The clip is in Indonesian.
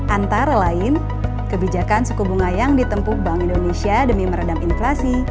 antara lain kebijakan suku bunga yang ditempuh bank indonesia demi meredam inflasi